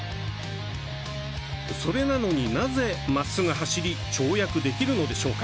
それなのに、なぜまっすぐ走り跳躍できるのでしょうか？